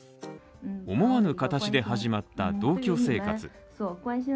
思わぬ形で始まった同居生活。